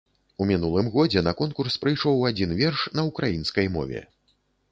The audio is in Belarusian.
У мінулым годзе на конкурс прыйшоў адзін верш на ўкраінскай мове.